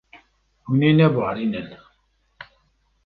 Hûn ê nebarînin.